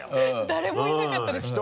誰もいなかったですね。